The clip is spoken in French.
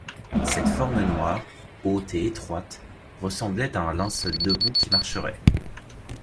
Cette forme noire, haute et étroite, ressemblait à un linceul debout qui marcherait.